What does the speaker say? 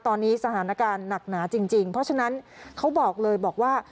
ตอนนี้สถานการณ์หนักหนาจริงเพราะฉะนั้นเขาบอกเลยบอกว่า